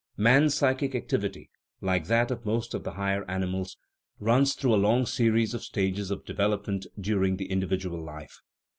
Man's psychic activity, like that of most of the high er animals, runs through a long series of stages of de velopment during the individual life.